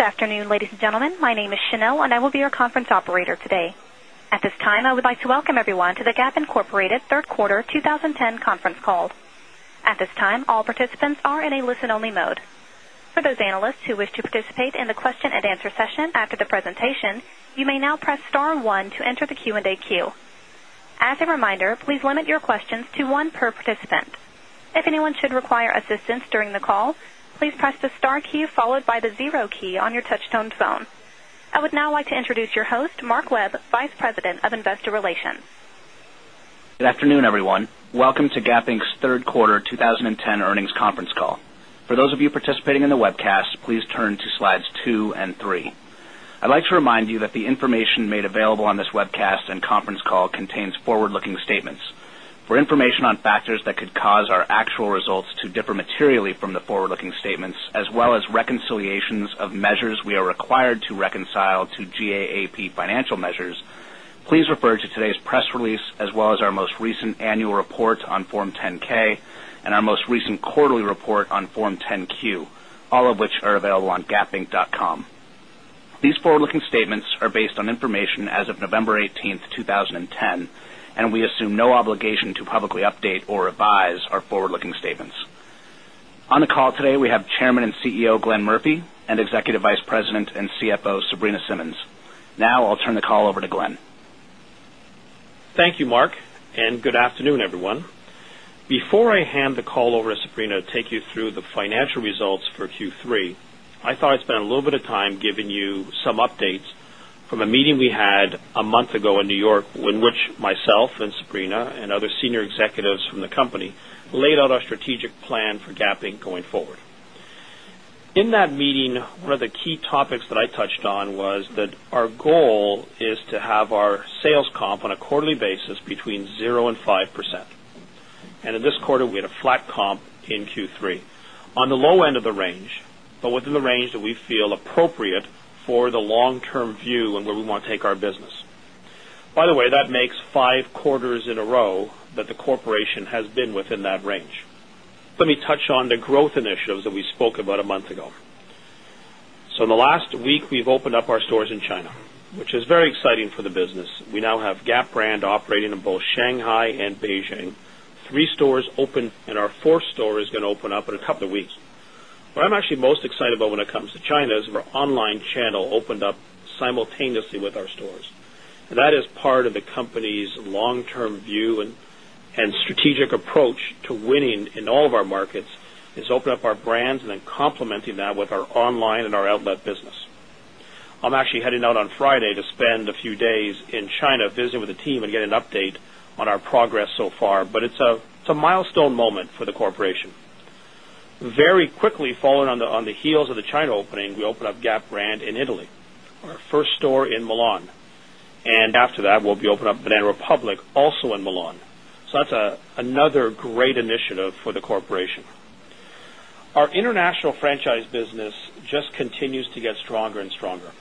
Good afternoon, ladies and gentlemen. My name is Chanel, and I will be your conference operator today. At this time, I would like to welcome everyone to the Gap Incorporated Third Quarter 20 10 Conference Call. At this time, all participants are in a listen only mode. For those analysts who wish to participate in the question and answer session after the presentation, you may now press star 1 to enter the Q and A I would now like to introduce your host, Mark Webb, Vice President of Investor Relations. Good afternoon, everyone. Welcome to Gap Inc. Q3 20 10 earnings conference call. For those of you participating in the webcast, please turn to Slides 23. I'd like to remind you that the information made available on this web cast and conference call contains forward looking statements. For information on factors that could cause our actual results to differ materially from the forward looking statements as well as reconciliations of measures we are required to reconcile to GAAP Financial Measures, please refer to today's press release as well as our most recent annual report on Form 10 ks and our most recent quarterly report on Form 10 Q, all of which are available on gapinc.com. These forward looking statements are based on information as November 18, 2010, and we assume no obligation to publicly update or revise our forward looking statements. On the call today, we have Chairman and CEO, Glenn Murphy and Executive Vice President and CFO, Sabrina Simmons. Now I'll turn the call over to Glenn. Thank you, Mark, and good afternoon, everyone. Before I hand the call over to Sabrina to take you through the financial results for Q3, I thought I'd spend a little bit of time giving you some updates from a meeting we had a month ago in New York, in which myself and Sabrina and other senior executives from the company laid out our strategic plan for GAAP, Inc. Going forward. In that meeting, one of the key topics that I touched on was that our goal is to have our sales comp on a quarterly basis between 0% 5%. And in this quarter, we had a flat comp in Q3 on the low end of the range, but within the range that we feel appropriate for the long term view and where we want to take our business. By the way, that makes 5 quarters in a row that the corporation has been within that range. Let me touch on the growth initiatives that we spoke about a month ago. So in the last week, we've opened up our stores in China, which is very exciting for the business. We now have Gap brand operating in both Shanghai and Beijing, 3 stores opened and our 4th store is going to open up in a couple of weeks. What I'm actually most excited about when it comes to China is our online channel opened up simultaneously with our stores. And that is part of the company's long term view and strategic approach to winning in all of our markets is open up our brands and then complementing that with our online and our outlet business. I'm actually heading out on Friday to spend a few days in China visiting with the team and getting an update on our progress so far, but it's a milestone moment for the corporation. Very quickly, falling on the heels of the China opening, we opened up Gap brand in Italy, our first store in Milan. And after that, we'll be opening up Banana Republic also in Milan. So that's another great initiative for the corporation. Our international franchise business just continues to get stronger and stronger.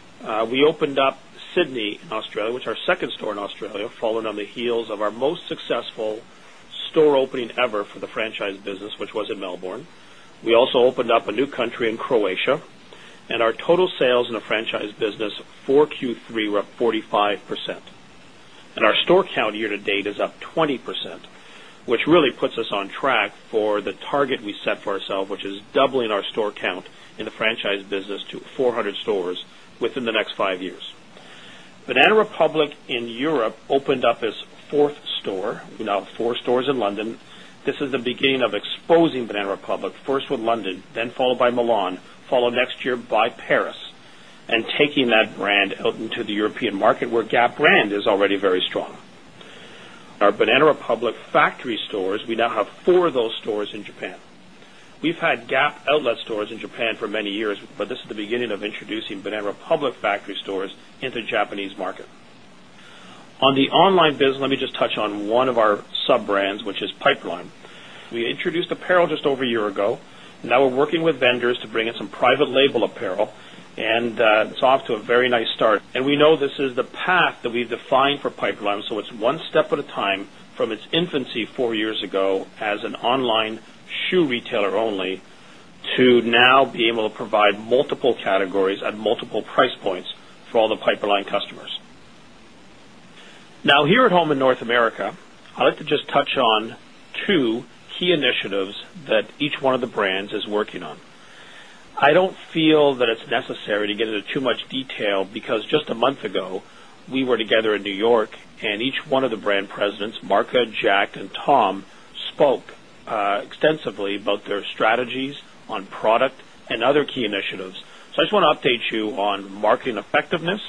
We opened up Sydney, Australia, which our 2nd store in Australia, fallen on the heels of our most successful store opening ever for the the franchise business, which was in Melbourne. We also opened up a new country in Croatia and our total sales in the franchise business for Q3 were up 45%. And our store count year to date is up 20%, which really puts us on track for the target we set for ourselves, which is doubling our store count in the franchise business, for the target we set for ourselves, which is doubling our store count in the franchise business to 400 stores within the next 5 years. Banana Republic in Europe opened up its 4th store. We now have 4 stores in London. This is the beginning of exposing Banana Republic, first with London, then followed by Milan, the beginning of exposing Banana Republic, 1st with London, then followed by Milan, followed next year by Paris and taking that brand out into the European market where Gap brand is already very strong. Our Banana Republic factory stores, we now have 4 of those stores in Japan. We've had Gap outlet stores in Japan for many years, but this is the beginning of introducing Banana Republic factory stores into Japanese market. On the online business, let me just touch on one of our sub brands, which is pipeline. We introduced apparel just over a year ago. Now we're working with vendors to bring in some private label apparel, and it's off to a very nice start. And we know this is the path that we've defined for pipeline. So it's one step at a time from its infancy 4 years ago as an online shoe retailer only to now be able to provide multiple categories at multiple price points for all the pipeline customers. Now here at home in North America, I'd like to just touch on 2 key initiatives that each one of the brands is working on. I don't feel that it's necessary to get into too much detail because just a month ago, we were together York and each one of the brand presidents, Marka, Jack and Tom, spoke extensively about their strategies on product and other key initiatives. So I just want to update you on marketing effectiveness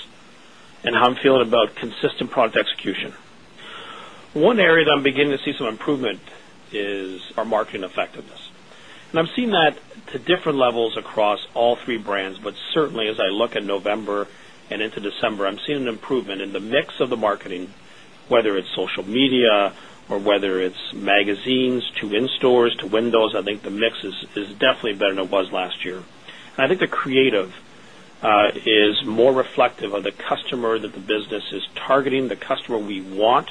and how I'm feeling about consistent product execution. One area that I'm beginning to see some improvement is our marketing effectiveness. And I've seen that to different levels across all three brands, but certainly as I look at November and into December, I'm seeing an improvement in the mix of the marketing, whether it's social media or whether it's magazines to in stores to windows, I think the mix is definitely better than it was last year. And I think the creative is more reflective of the customer that the business is targeting, the customer we want,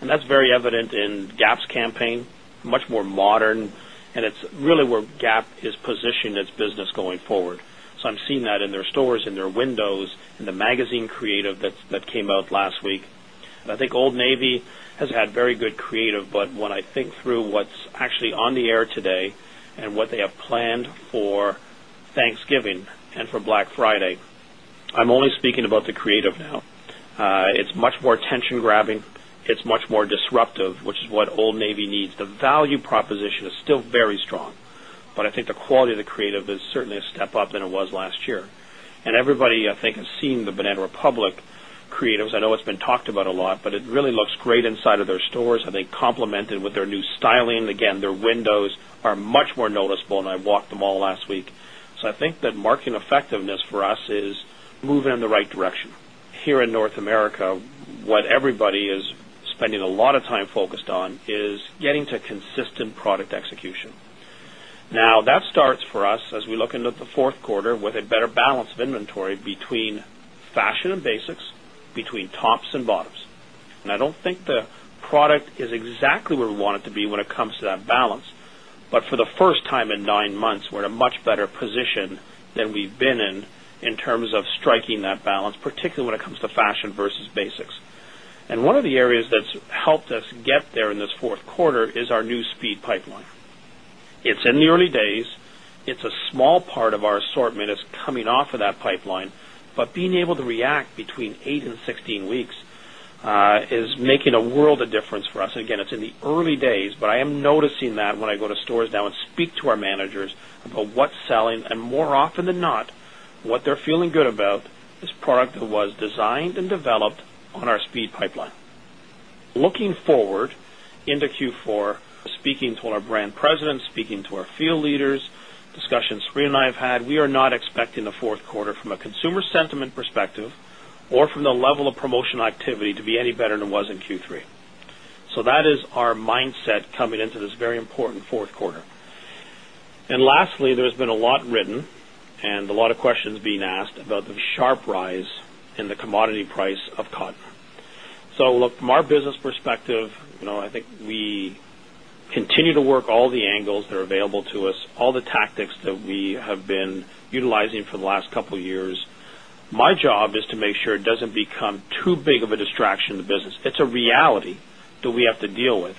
and that's very evident in Gap's campaign, much more modern, and it's really where Gap is positioned its business going forward. So I'm seeing that in their stores, in their windows, in the magazine forward. So I'm seeing that in their stores, in their windows, in the magazine creative that came out last week. I think Old Navy has had very good creative, but when I think through what's actually on the air today and what they have planned for Thanksgiving and for Black Friday, I'm only speaking about the creative now. It's much more tension grabbing. It's much more disruptive, which is what Old Navy needs. The value proposition is still very strong, but I think the quality of the creative is certainly a step up than it was last year. And everybody I think has seen the Banana Republic creatives. I know it's been talked about a lot, but it really looks great inside of their stores. I think complemented with their new styling. Again, their windows are much more noticeable, and I walked them all last week. So I think that marketing effectiveness for us is moving in the right direction. Here in North America, what everybody is spending a lot of time focused on is getting to consistent product execution. Now that that starts for us as we look into the Q4 with a better balance of inventory between fashion and basics, between tops and bottoms. And I don't think the product is exactly where we want it to be when it comes to that balance. But for the first time in 9 months, we're in a much better position than we've been in, in terms of striking that balance, particularly when it comes to fashion versus basics. And one of the areas that's helped us get there in this Q4 is our new speed pipeline. It's in the early days. It's a small part of our assortment is coming off of that pipeline, but being able to react between 8 16 weeks is making a world of difference for us. And again, it's in the early days, but I am noticing that when I go to stores now and speak to our managers about what's selling and more often than not, what they're feeling good about is product that was designed and developed on our speed pipeline. Looking forward into Q4, speaking to our brand presidents, speaking to our field leaders, discussions Sreena and I have had, we are not expecting the Q4 from a consumer sentiment perspective or from the level of promotional activity to be any better than it was in Q3. So that is our mindset coming into this very important Q4. And lastly, there has been a lot written and a lot of questions being asked about the sharp rise in the commodity price of cotton. So look, from our business perspective, I think we continue to work all the angles that are available to us, all the tactics that we have been utilizing for the last couple of years. My job is to make sure it doesn't become too big of a distraction in the business. It's a reality that we have to deal with.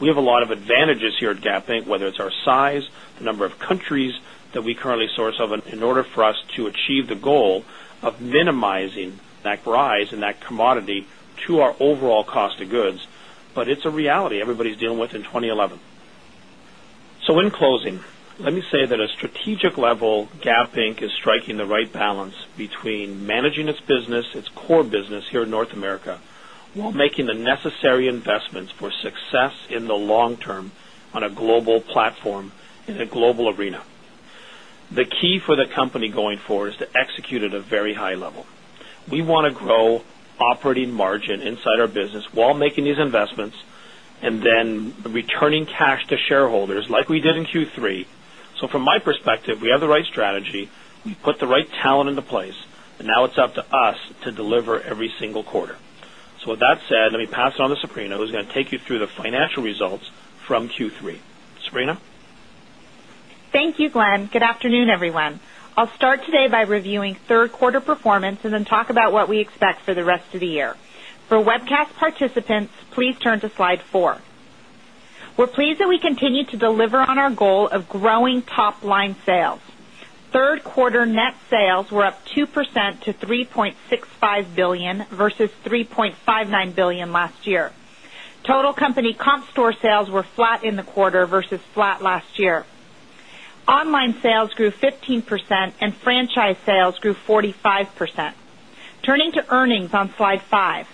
We have a lot of advantages here at Gap Inc, whether it's our size, the number of countries that we currently source of in order for us to achieve the goal of minimizing that rise in that commodity to our overall cost of goods, but it's a reality everybody is dealing with in 2011. So in closing, let me say that a strategic level Gap Inc. Is striking the right balance between managing its business, its core business here in North America, while making the necessary investments for success in the long term on a global platform in a global arena. The key for the company going forward is to execute at a very high level. We want to grow operating margin inside our business while making these investments and then returning cash to shareholders like we did in Q3. So from my perspective, we have the right strategy, we put the right talent into place, and now it's up to us to deliver every single quarter. So with that said, let me pass it on to Sabrina, who's going to take you through the financial results from Q3. Sabrina? Thank you, Glenn. Good afternoon, everyone. I'll start today by reviewing Q3 performance and then talk about what we expect for the rest of the year. For webcast participants, please turn to Slide 4. We're pleased that we continue to deliver on our goal of growing top line sales. 3rd quarter net sales were up 2% to $3,650,000,000 versus $3,590,000,000 last year. Total company comp store sales were flat in the quarter versus flat last year. Online sales grew 15% and franchise sales grew 45%. Turning to earnings on Slide 5.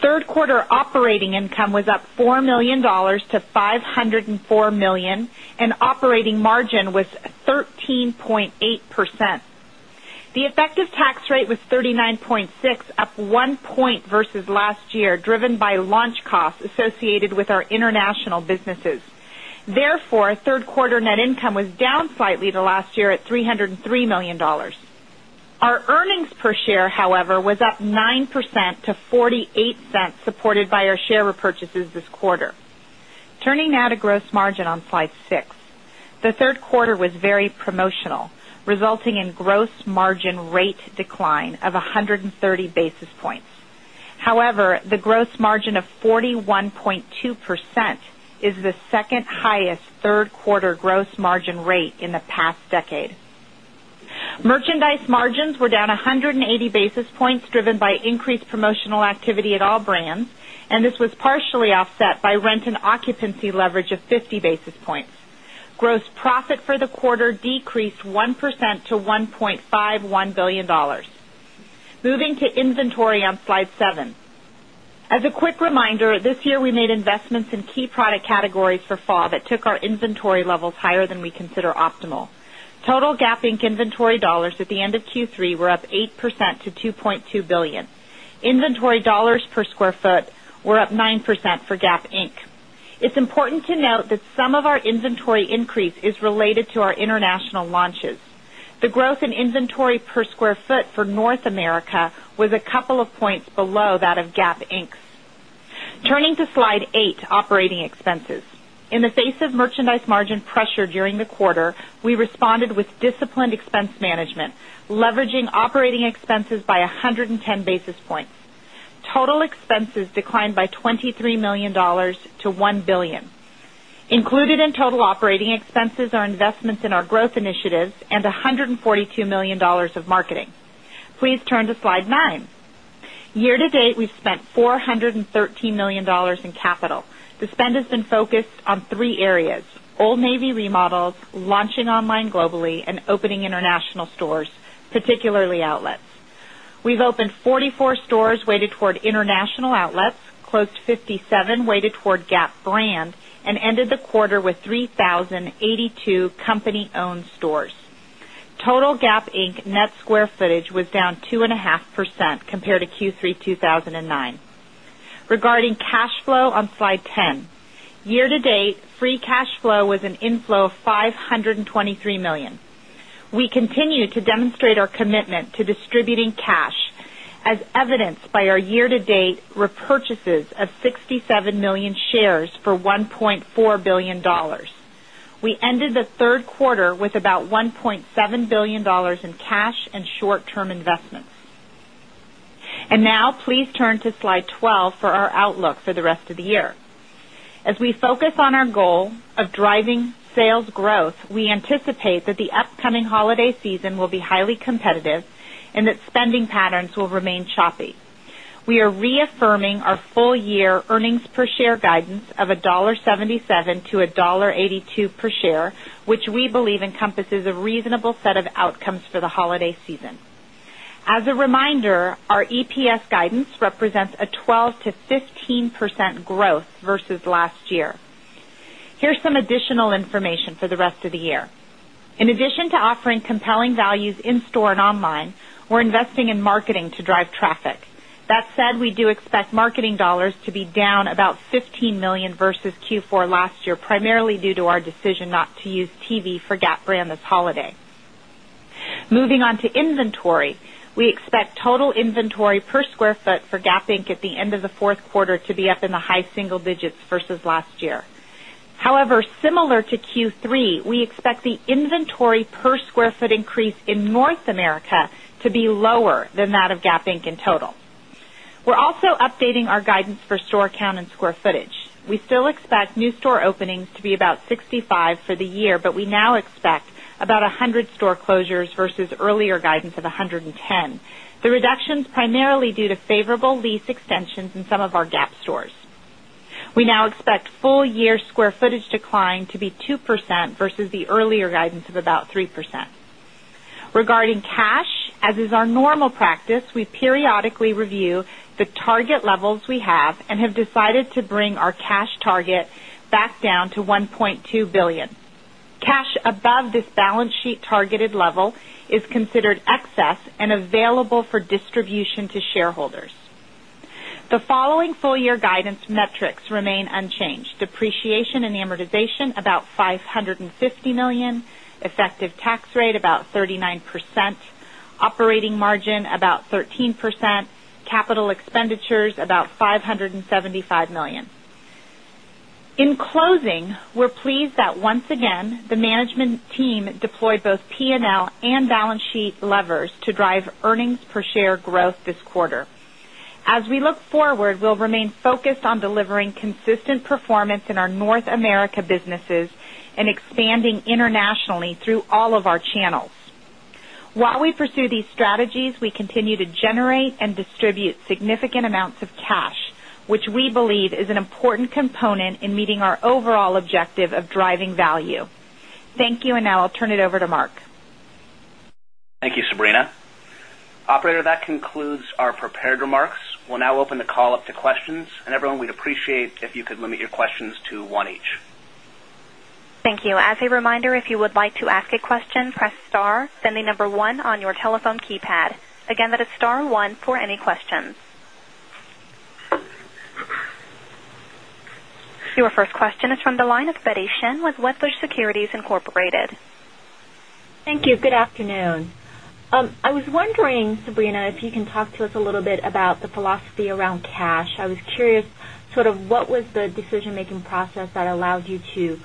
3rd quarter operating income was up $4,000,000 to $504,000,000 and operating margin was 13 0.8%. The effective tax rate was 39.6 percent, up 1 point versus last year driven by launch costs associated with our international businesses. Therefore, 3rd quarter net income was down slightly to last year at $303,000,000 Our earnings per share, however, was up 9% to $0.48 supported by our share repurchases this quarter. Turning now to gross margin on Slide 6. The Q3 was very promotional, resulting in gross margin rate decline of 130 basis points. However, the gross margin of 41.2% is the 2nd highest third quarter gross margin rate in the past decade. Merchandise margins were down 180 basis points driven by increased promotional activity at all brands and this was partially offset by rent and occupancy leverage of 50 basis points. Gross profit for the quarter decreased 1% to $1,510,000,000 Moving to inventory on Slide 7. As a quick reminder, this year we made investments in key product categories for FOB that took our inventory levels higher than we consider optimal. Total Gap Inc. Inventory dollars at the end of Q3 were up 8% to $2,200,000,000 Inventory dollars per square foot were up 9% Gap Inc. It's important to note that some of our inventory increase is related to our international launches. The growth in inventory per square foot for North America was a couple of points below below that of Gap Inc. Turning to Slide 8, operating expenses. In the face of merchandise margin pressure during the quarter, we responded with disciplined expense management, leveraging operating expenses by 110 basis points. Total expenses declined by $23,000,000 to $1,000,000,000 Included in total operating expenses are investments in our growth initiatives and 142,000,000 of marketing. Please turn to Slide 9. Year to date, we spent $413,000,000 in capital. The spend has been focused on 3 areas Old Navy remodels, launching online globally and opening international stores, particularly outlets. We've opened 44 stores weighted toward international outlets, closed 57 weighted toward Gap brand and ended the quarter with 3,000 82 company owned stores. Total Gap Inc. Net square footage was down 2.5% compared to Q3 2,009. Regarding cash flow on Slide 10. Year to date, free cash flow was an inflow of 5 $23,000,000 We continue to demonstrate our commitment to distributing cash as evidenced by our year to date repurchases of 67,000,000 shares for $1,400,000,000 We ended the 3rd quarter with about $1,700,000,000 in cash and short term investments. And now please turn to Slide 12 for our outlook for the rest of the year. As we As we focus on our goal of driving sales growth, we anticipate that the upcoming holiday season will be highly competitive and that spending patterns will remain choppy. We are reaffirming our full year earnings per share guidance of $1.77 to 1 $0.82 per share, which we believe encompasses a reasonable set of outcomes for the holiday season. As a reminder, our EPS guidance represents a 12% to 15% growth versus last year. Here's additional information for the rest of the year. In addition to offering compelling values in store and online, we're investing in marketing to drive traffic. That said, we do expect marketing dollars to be down about $15,000,000 versus Q4 last year, primarily due to our decision not to use TV for Gap brand this holiday. Moving on to inventory. We expect total inventory per square foot for Gap Inc. At the end of the 4th quarter to be up in the high single digits versus last year. However, similar to Q3, we expect the inventory per square foot increase in North America to be lower than that of GAAP Inc. In total. We're also updating our guidance for store count and square footage. We still expect new store openings to be about 65 for the year, but we now expect about 100 store closures versus earlier guidance of 110. The reduction is primarily due to favorable lease extensions in some of our Gap stores. We now expect full year square footage decline to be 2% versus the earlier guidance of about 3%. Regarding cash, as is our normal practice, we periodically review the target levels we have and have decided to bring our cash target back down to $1,200,000,000 Cash above this balance sheet targeted level is considered excess and available for distribution to shareholders. The following full year guidance metrics remain unchanged: depreciation and amortization about $550,000,000 effective tax rate about 39% operating margin about 13% capital expenditures about $575,000,000 In closing, we're pleased that once again the management team deployed both P and L and balance sheet levers to drive earnings per share growth this quarter. As we look forward, we'll remain focused on delivering consistent performance in our North America businesses and expanding internationally through all of our channels. While we pursue these strategies, we continue to generate and distribute significant amounts of cash, which we believe is an important component in meeting our overall objective of driving value. Thank you. And now I'll turn it over to Mark. Thank you, Sabrina. Operator, that concludes our prepared remarks. We'll now open the call up to questions. And everyone, we'd appreciate if you could limit your questions to 1 each. Thank you. Your first question is from the line of Betty Shen with Wedbush Securities Incorporated. Thank you. Good afternoon. I was wondering Sabrina, if you can talk to us a little bit about the philosophy around cash. I was curious sort of what was decision making process that allows you to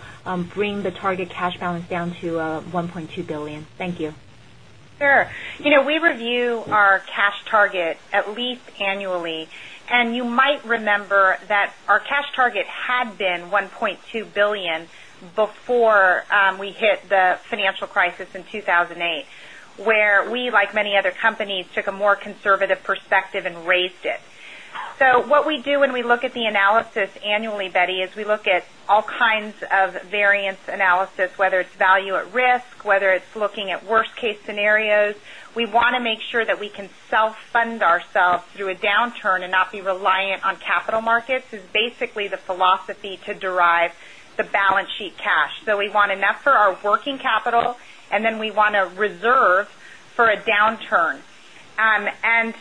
bring the target cash balance down to $1,200,000,000 Thank you. Sure. We review our cash target at least annually. And you might remember that our cash target had been $1,200,000,000 before we hit the financial crisis in 2,008, where we, like many other companies, took a more conservative perspective and raised it. So what we do when we look at the analysis annually, Betty, is we look at all kinds of variance analysis, whether it's value at risk, whether it's looking at worst case scenarios. We want to make sure that we can self fund ourselves through a downturn and not be reliant on capital markets is basically the philosophy to derive the balance sheet cash. So we want enough for our working capital and then we want to reserve for a downturn. And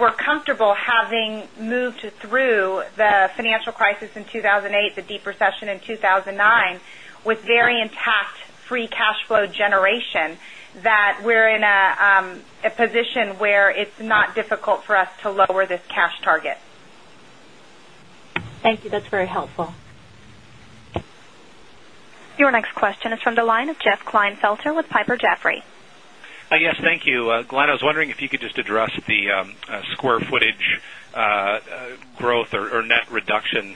we're comfortable having moved through the financial crisis in 2008, the deep recession in 2009 with very intact free cash flow generation that we're in a position where it's not difficult for to lower this cash target. Thank you. That's very helpful. Your next question is from the line of Jeff Klinefelter with Piper Jaffray. Yes, thank you. Glenn, I was wondering if you could just address the square footage growth or net reduction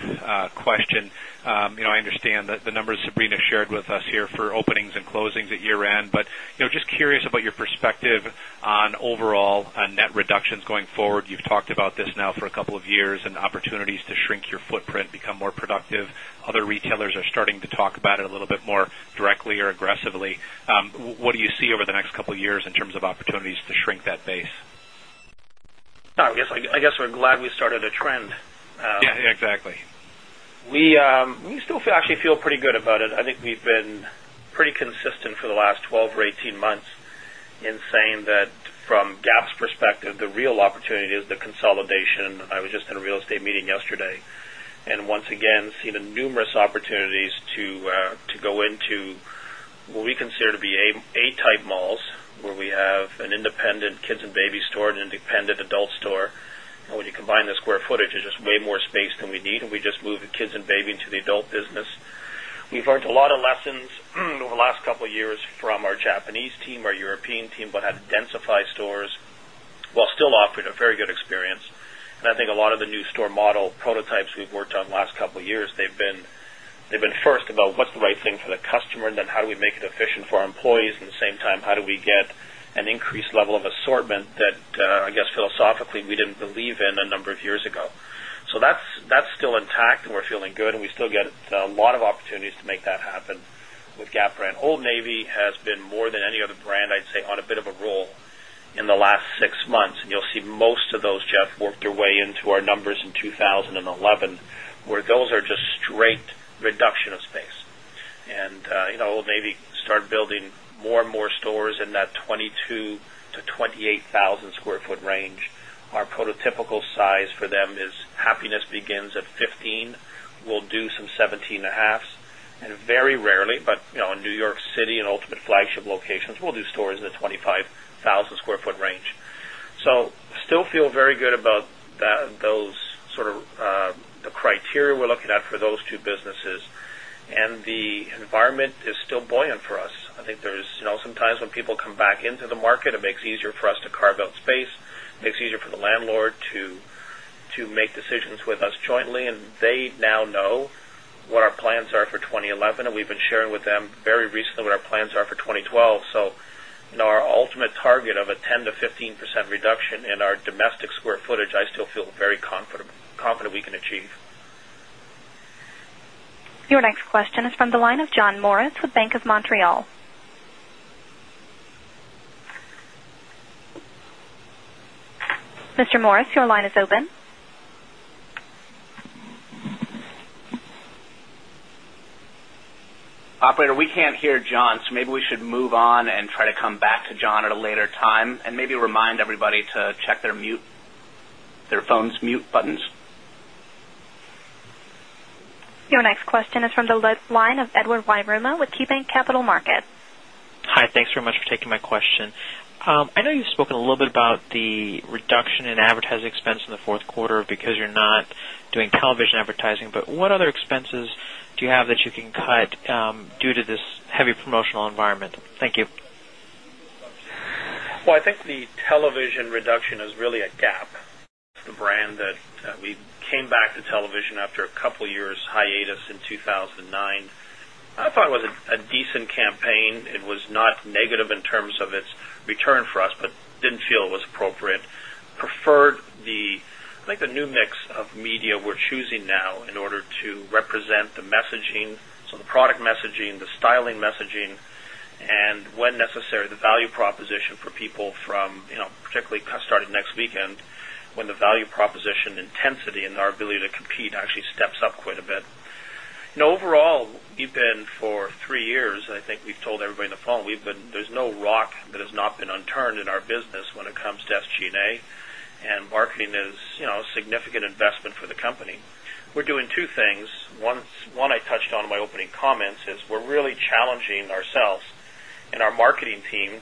question. I understand that the numbers Sabrina shared with us here for openings and closings at year end. But just curious about your perspective on overall net reductions going forward. You've talked about this now for a couple of years and opportunities to shrink your footprint become more productive. Other retailers are starting to talk about it a little bit more directly or aggressively. What do you see over the next couple of years in terms of opportunities to shrink that base? I guess we're glad we started a trend. Yes, exactly. We still actually feel pretty good about it. I think we've been pretty consistent for the last 12 or 18 months in saying that from GAAP's GAAP's perspective, the real opportunity is the consolidation. I was just in a real estate meeting yesterday. And once again, seen numerous opportunities to go into what we consider to be A type malls, where we have an independent kids and baby store and independent adult store. And when you combine the square footage, it's just way more space than we need and we just move the kids and baby into the adult business. We've learned a lot of lessons over the last couple of years from our Japanese team, our European team, but had densified stores while still offering a very good experience. And I think a lot of the new store model prototypes we've worked on last couple of years, they've been first about what's the right thing for the customer and then how do we make it efficient for our employees and the same time how do we get an increased level of assortment that I guess philosophically we didn't believe in a number of years ago. So that's still intact and we're feeling good and we still get a lot of opportunities to make that happen with Gap brand. Old Navy has been more than any other brand I'd say on a bit of a role in the last 6 months. You'll see most of those, Jeff, worked their way into our numbers in 2011, where those are just straight reduction of space. And Old Navy started building more and more stores in that 22,000 to 28 1,000 square foot range. Our prototypical size for them is happiness begins at 15, we'll do some 17.5s and very rarely, but in New York City and ultimate flagship locations, we'll do stores in the 25 thousand square foot range. So still feel very good about those sort of the criteria we're looking at for those two businesses and the environment is still buoyant for us. I think there is sometimes when people come back into the market it makes easier for us to carve out space, makes easier for the landlord to make decisions with us jointly and they now know what our plans are for 2011 and we've been sharing with them very recently what our plans are for 2012. So our ultimate target of a 10% to 15% reduction in our domestic square footage, I still feel very confident we can achieve. Your next question is from the line of John Morris with Bank of Montreal. Mr. Morris, your line is open. Operator, we can't hear John. So maybe Your next question is from the line of Edward Yruma with KeyBanc Capital Markets. Hi, thanks very much for taking my question. I know you've spoken a little bit about the reduction in advertising expense in the Q4 because you're not doing television advertising, but what other expenses do you have that you can cut due to this heavy promotional environment? Thank you. Well, I think the television reduction is really a gap. The brand that we came back to television after a couple of years hiatus in 2,009. I thought it was a decent campaign. It was not negative in terms of its return for us, but didn't feel it was appropriate. Preferred the I think the new mix of media we're choosing now in order to represent the messaging, so the product messaging, the styling messaging and when necessary the value proposition for people from particularly starting next week end when the value proposition intensity and our ability to compete actually steps up quite a bit. Overall, we've been for 3 years, I think we've told everybody on the phone, we've been there's no rock that has not been unturned in our business when it comes to SG and A and marketing is a significant investment for the company. We're doing 2 things. 1, I touched on in my opening comments is we're really challenging ourselves and our marketing team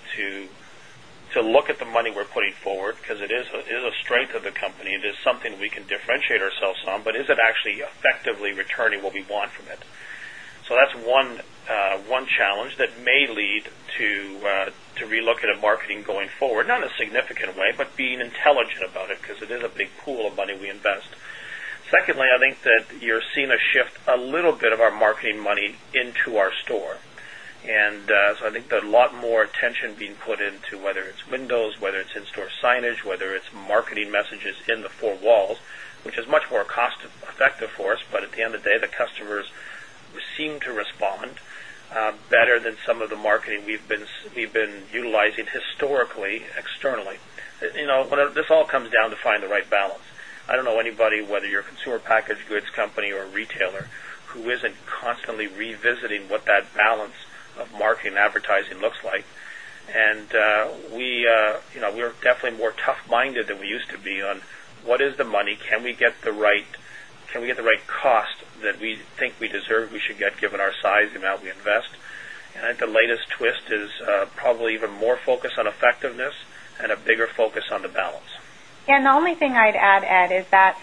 to look at the money we're putting forward because it is a strength of the company. It is something we can differentiate ourselves on, but is it actually effectively returning what we want from it. So that's one challenge that may lead to relook at a marketing going forward, not in a significant way, but being intelligent about it because it is a big pool of money we invest. Secondly, I think that you're seeing a shift a little bit of our marketing money into our store. And so I think there are a lot more attention being put in to whether it's windows, whether it's in store signage, whether it's marketing messages in the 4 walls, which is much more cost effective for us. But at the end of the day, the customers seem to respond better than some of the marketing we've been utilizing historically externally. This all comes down to find the right balance. I don't know anybody whether you're a consumer packaged goods company or retailer who isn't constantly can we get the right cost that we think we deserve, we should get given our size, the amount we invest. And at the latest twist is probably even more focused on effectiveness and a bigger focus on the balance. Yes. And the only thing I'd add, Ed, is that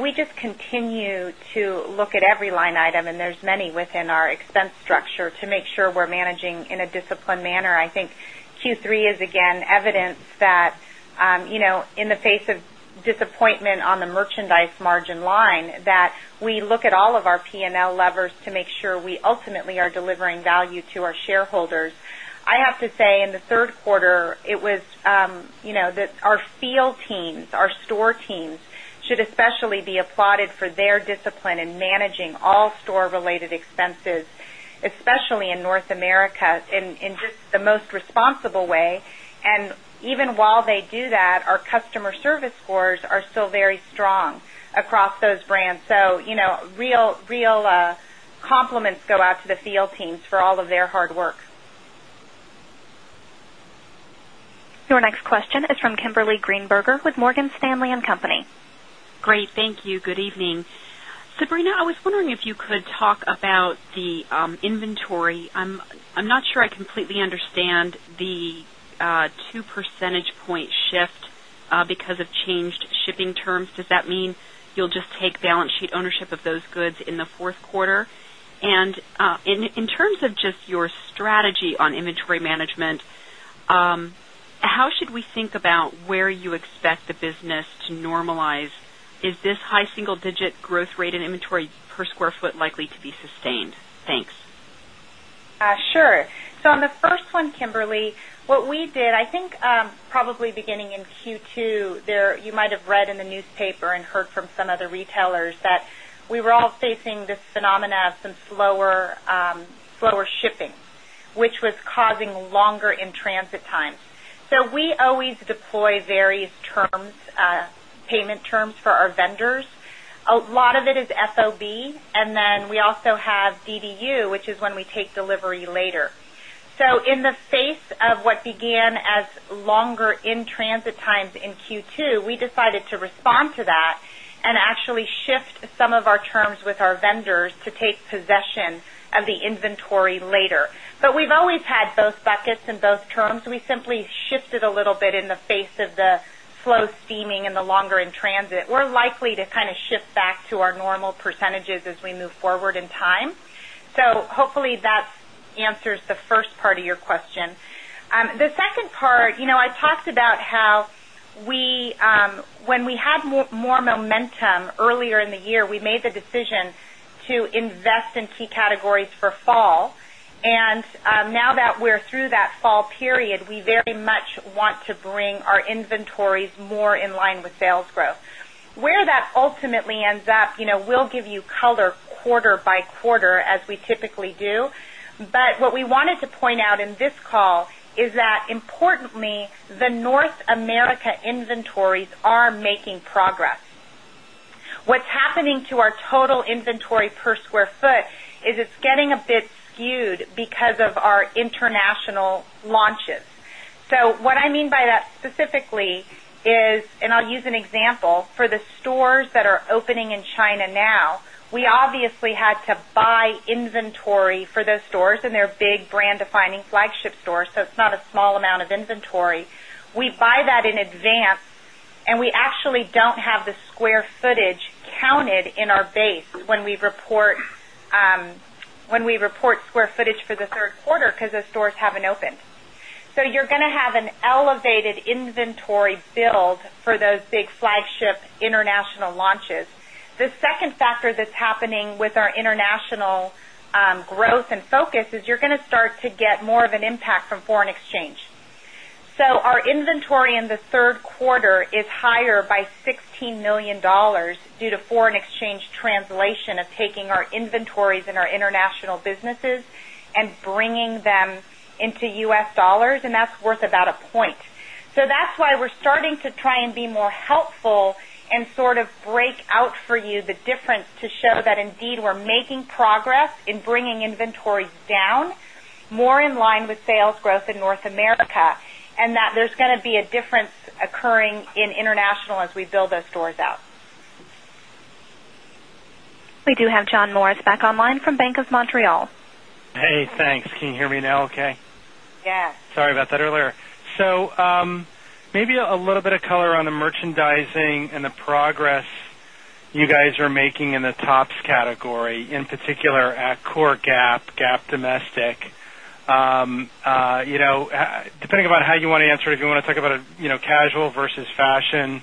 we just continue to look at every line item and there's many within our expense structure to make sure we're managing in a disciplined manner. I think Q3 is again evidence that in the face of disappointment on the merchandise margin line that we look at all of our P and L levers to make sure we ultimately are delivering value to our shareholders. I have to say in the Q3, it was that our field teams, our store teams should especially be applauded for their discipline in managing all store related expenses, especially in North America in just the most responsible way. And even while they do that, our customer service of their hard work. Your next question is from Kimberly Greenberger with Morgan Stanley and Company. Great. Thank you. Good evening. Sabrina, I was wondering if you could talk about the inventory. I'm not sure I completely understand the 2 percentage point shift because of changed shipping terms. Does that mean you'll just take balance sheet ownership of those goods in the Q4? And in terms of just your strategy on inventory management, how should we think about where you expect the business normalize? Is this high single digit growth rate in inventory per square foot likely to be sustained? Thanks. Sure. So on the first one, Kimberly, what we did, I think, probably beginning in Q2, there you might have read in the newspaper and heard from some other retailers that we were all facing this phenomena of some slower shipping, which was causing longer in transit times. So we always deploy various terms payment terms for our vendors. A lot of it is FOB and then we also have DDU, which is when we take delivery later. So in the face of what began as longer in transit times in Q2, we decided to respond to that and actually shift some of our terms with our vendors to take possession of the inventory later. But we've always had both buckets in both terms. We simply shifted a little bit in the face of the slow steaming and the longer in transit. We're likely to kind of shift back to our normal percentages as we move forward in time. So hopefully that answers the first part of your question. The second part, I talked about how we when we have more momentum earlier in the year, we made the decision to invest in key categories for fall. And now that we're through that fall period, we very much want to bring our inventories more in line with sales growth. Where that ultimately ends up, we'll give you color quarter by quarter as we typically do. But what we wanted to point out in this call is that importantly, the North America inventories are making progress. What's happening to our total inventory per square foot is it's getting a bit skewed because of our international launches. So what I mean by that specifically is and I'll use an example for the stores that are opening in China now, we obviously had to buy inventory for those stores and they're big brand defining flagship stores, so it's not a small amount of inventory. We buy that in advance and we actually don't have the square footage counted in our base when we report square footage for the Q3 because the stores haven't opened. So you're going to have an elevated inventory build for those big flagship international launches. The second factor that's happening with our international growth and focus is you're going to start to get more of an impact from foreign exchange. So our inventory in the 3rd quarter is higher by $16,000,000 due to foreign exchange translation of taking our inventories in our international businesses and bringing them into U. S. Dollars and that's worth about a point. So that's why we're starting to try and be more helpful and sort of break out for you the difference to show that indeed we're making progress in bringing inventory down more in line with sales growth in North America and that there's going to be a difference occurring in international as we build those stores out. We do have John Morris back online from Bank of Montreal. Hey, thanks. Can you hear me now okay? Yes. Sorry about that earlier. So maybe a little bit of color on casual versus fashion and segueing casual versus fashion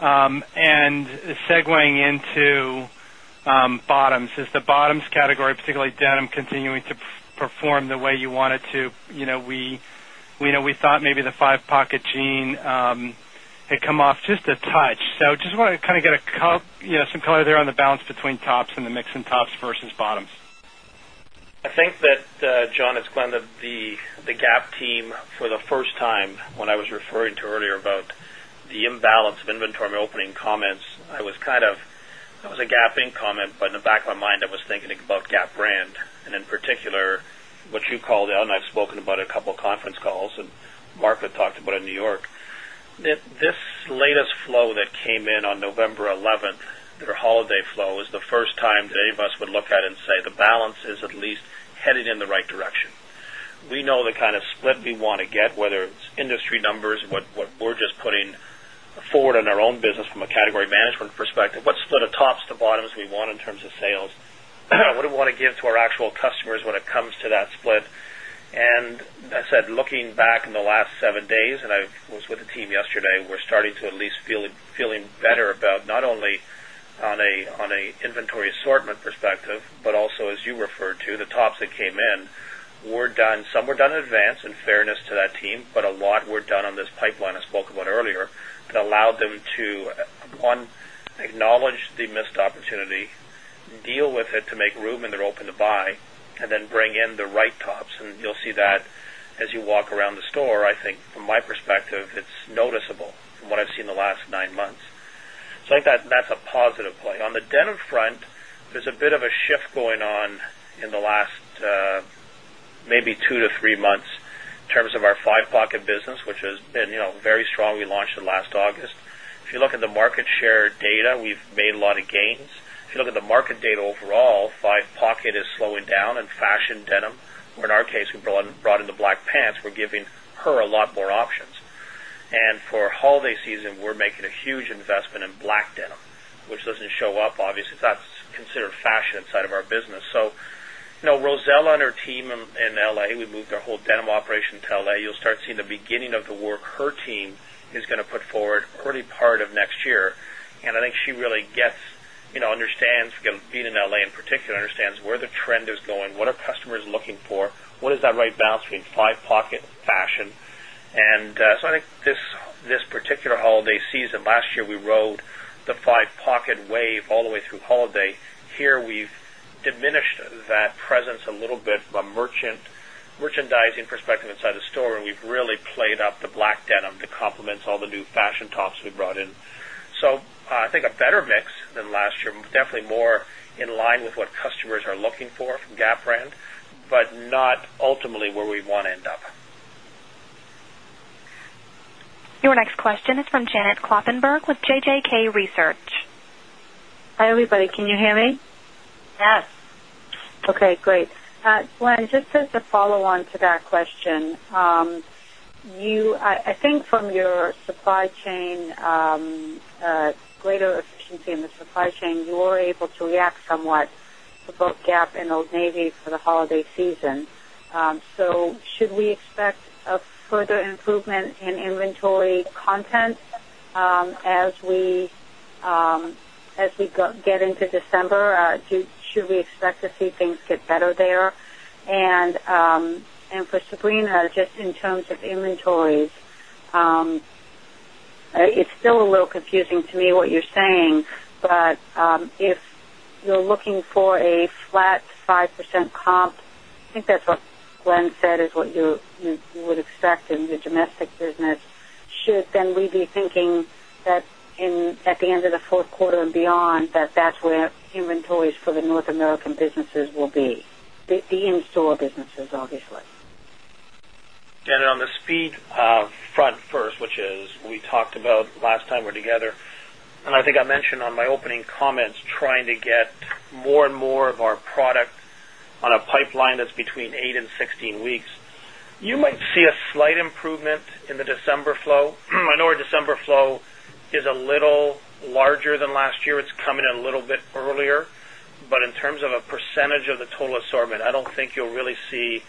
and segueing into bottoms. Is the bottoms category, particularly denim continuing to perform the way you want it to? We thought maybe the 5 pocket gene had come off just a touch. So just wanted to kind of get some color there on the balance between tops and the mix and tops versus bottoms? I think that, John, it's Glenn, the Gap team for the first time when I was referring to earlier about the imbalance of inventory in my opening comments, I was kind of that was a Gap Inc comment, but in the back of my mind I was thinking about Gap brand and in particular what you called out and I've spoken about a couple of conference calls and Mark had talked about in New York. This latest flow that came in on November 11, their holiday flow is the first time that any of us would look at and say the balance is at least headed in the right direction. We know the kind of split we want to get whether it's industry numbers, what we're just putting forward in our own business from a category management perspective, what's the tops to bottoms we want in terms of sales. What we want to give to our actual customers when it comes to that split. And I said looking back in the last 7 days and I was with the team yesterday, we're starting to at least feeling better about not only on an inventory assortment perspective, but also as you referred to the tops that came in were done perspective, but also as you referred to the tops that came in were done some were done in advance in fairness to that team, but a lot were done on this pipeline I spoke about earlier that allowed them to, 1, acknowledge the missed opportunity, deal with it to make room in their open to buy and then bring in the right tops. And you'll see that as you walk around the store, I think from my perspective, it's noticeable from what I've seen in the last 9 months. So I think that's a positive play. On the Denim front, there's a bit of a shift going on in the last maybe 2 to 3 months in terms of our Five Pocket business, which has been very strong. We launched in last August. If you look at the market share data, we've made a lot of gains. If you look at the market data overall, 5 pocket is slowing down and fashion denim, in our case, we brought in the black pants, we're giving her a lot more options. And for holiday season, we're making a huge investment in black denim, which doesn't show up obviously that's considered fashion inside of our business. So Rosella and her team in L. A, we moved our whole denim operation to L. A, you'll start seeing the beginning of the work her team is going to put forward early part of next year. And I think she really gets being in L. A. In particular understands where the trend is going, what are customers looking for, what is that right balance between 5 pocket fashion. And so I think this particular holiday season last year we rode the 5 pocket wave all way through holiday. Here we've diminished that presence a little bit from a merchandising perspective inside the store and we've really played up the black denim that complements all the new fashion tops we brought in. So I think a better mix than last year, definitely more in line with what customers are looking for from Gap brand, but not ultimately where we want to end up. Your next question is from Janet Kloppenburg with JJK Research. Hi, everybody. Can you hear me? Yes. Okay, great. Gwen, just as a follow on to that question, you I think from your supply chain, greater efficiency in the supply chain, you were able to react somewhat to both GAAP and Old Navy for the holiday season. So should we expect a further improvement in inventory content as we get into December? Should we expect to see things get better there? And for Sabrina, just in terms of inventories, it's still a little confusing to me what you're saying. But if you're looking for a flat 5% comp, I think that's what Glenn said is what you would expect in the domestic business. Should then we be thinking that in in the domestic business. Should then we be thinking that in at the end of the Q4 and beyond that that's where inventories for the North American businesses will be, the in store businesses obviously? And then on the speed front first, which is we talked about last time we're together. And I think I mentioned which is we talked about last time we're together. And I think I mentioned on my opening comments trying to get more and more of our product on a pipeline that's between 8 16 weeks. You might see a slight improvement in the December flow. I know our December flow is a little larger than last year. It's coming in a little bit earlier. But in terms of a percentage of the total assortment, I don't think you'll really see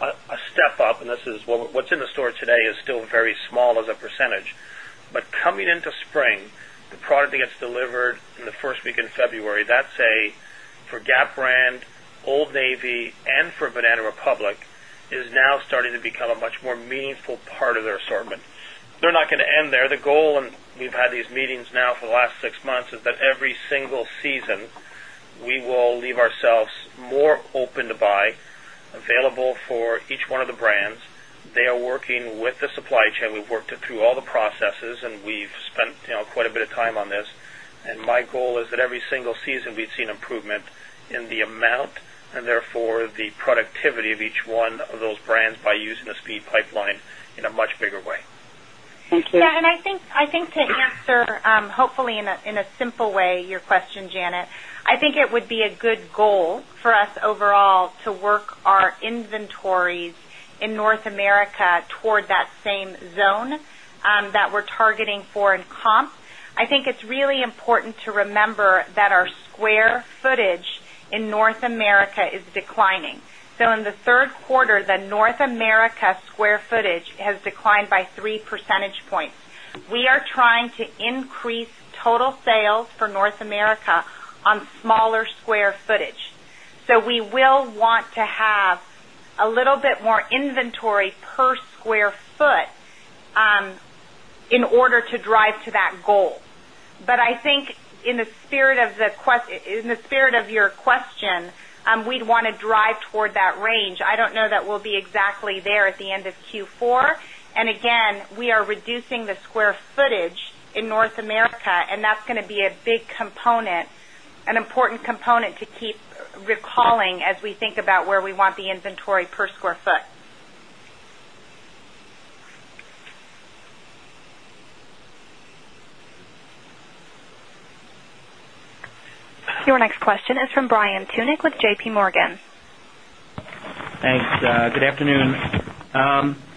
a step up and this is what's in the up and this is what's in the store today is still very small as a percentage. But coming into spring, the product that gets delivered in the 1st week in February, that's a for Gap brand, Old Navy and for Banana Republic is now starting to become a much more meaningful part of their assortment. They're not going to end there. The goal and we've had these meetings now for the last 6 months is that every single season we will leave ourselves more open to buy available for each one of the brands. They are working with the supply chain. We've worked it through all the processes and we've spent quite a bit of time on this. And my goal is that every single season we've seen improvement in the amount and therefore the productivity of each one of those brands by using the speed pipeline in a much bigger way. Thank you. Yes. And I think to answer hopefully in a simple way your question, Janet, I think it would be a good goal for us overall to work our inventories in North America towards that same zone that we're targeting for in comp. I think it's really important to remember that our square footage in North America is declining. So in the Q3, the North America square footage has declined by 3 percentage points. We are trying to increase total sales for North America on smaller square footage. So we will want to have a little bit more inventory per square foot in order to drive to that goal. But I think in the spirit of the in the spirit of your question, we'd want to drive toward that range. I don't know that we'll be exactly there at the end of Q4. And again, we are reducing the square footage in North America and that's going to be a big component, an important component to keep recalling as we think about where we want the inventory per square foot. Your next question is from Brian Tunic with JPMorgan. Thanks. Good afternoon.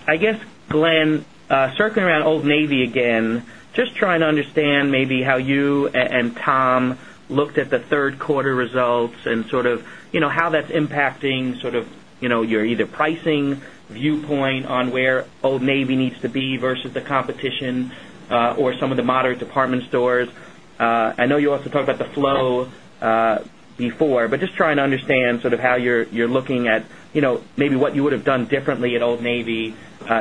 I guess, Glenn, circling around Old Navy again, just trying to understand maybe how you and Tom looked at the Q3 results and sort of how that's impacting sort of your either pricing viewpoint on where Old Navy needs to be versus the competition or some of the moderate department stores? I know you also talked about the flow before, but just trying to understand sort of how you're looking at maybe what you would have done differently at Old Navy